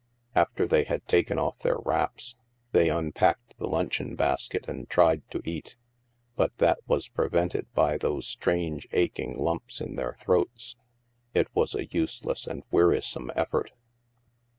After they had taken off their wraps, they un packed the luncheon basket and tried to eat. But that was prevented by those strange aching lumps in their throats. It was a useless and wearisome effort.